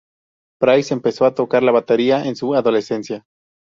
Price empezó a tocar la batería en su adolescencia.